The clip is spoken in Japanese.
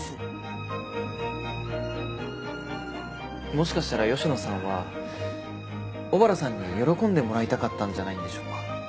もしかしたら吉野さんは小原さんに喜んでもらいたかったんじゃないんでしょうか。